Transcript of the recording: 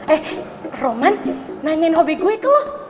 eh roman nanyain hobi gue ke loh